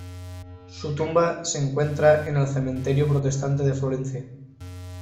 Su tumba se encuentra en el cementerio protestante de Florencia.